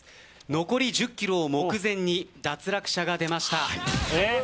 残り１０ｋｍを目前に脱落者が出ました。